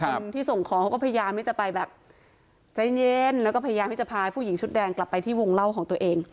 คนที่ส่งของเขาก็พยายามที่จะไปแบบใจเย็นแล้วก็พยายามที่จะพาผู้หญิงชุดแดงกลับไปที่วงเล่าของตัวเอง